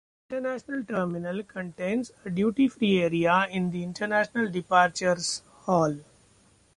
The international terminal contains a duty free area in the international departures hall.